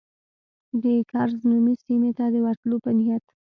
د کرز نومي سیمې ته د ورتلو په نیت.